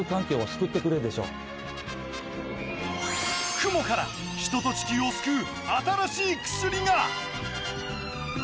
クモから人と地球を救う新しい薬が！